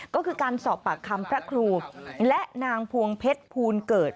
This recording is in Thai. ก็คือการสอบปากคำพระครูและนางพวงเพชรภูลเกิด